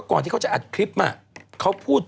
กูกูกูมาเขาพูด